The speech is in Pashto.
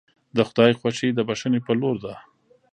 د خدای خوښي د بښنې په لور ده.